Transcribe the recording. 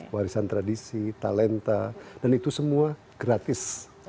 warisan tradisi talenta dan itu semua gratis